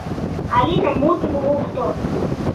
— Алина мутым лукто.